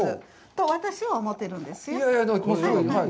と、私は思っているんですよ。